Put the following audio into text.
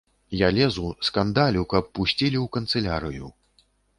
Я лезу, скандалю, каб пусцілі ў канцылярыю.